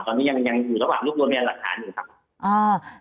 ตอนนี้ยังอยู่ระหว่างรูปรวนแมนหลักฐานหนึ่งครับ